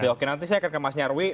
oke nanti saya akan ke mas nyarwi